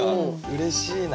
うれしいな。